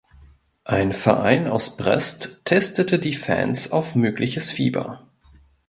Ein Verein aus Brest testete die Fans auf mögliches Fieber.